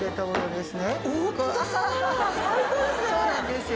そうなんですよ。